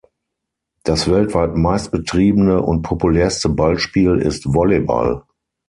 Das weltweit meist betriebene und populärste Ballspiel ist Volleyball.